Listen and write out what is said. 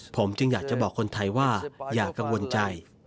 ผมจึงอยากจะบอกคนไทยว่าอย่ากังวลใจ